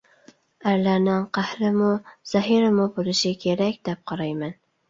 «ئەرلەرنىڭ قەھرىمۇ، زەھىرىمۇ بولۇشى كېرەك» دەپ قارايمەن.